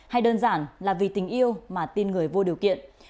hay đơn giản là vì tình yêu mà tin người vô điều kiện